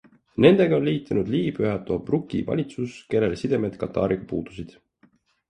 Nendega on liitunud Liibüa Tobruki valitsus, kellel sidemed Katariga puudusid.